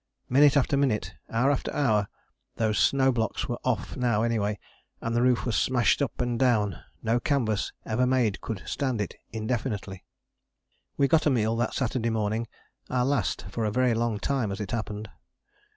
Minute after minute, hour after hour those snow blocks were off now anyway, and the roof was smashed up and down no canvas ever made could stand it indefinitely. We got a meal that Saturday morning, our last for a very long time as it happened.